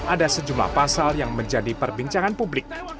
ada sejumlah pasal yang menjadi perbincangan publik